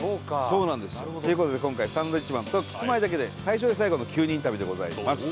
そうなんですよ。という事で今回サンドウィッチマンとキスマイだけで最初で最後の９人旅でございます。